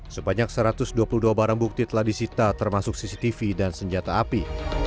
sebanyak satu ratus dua puluh dua barang bukti telah disita termasuk cctv dan senjata api